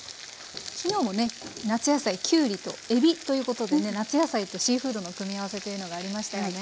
昨日もね夏野菜きゅうりとえびということでね夏野菜とシーフードの組み合わせというのがありましたよね。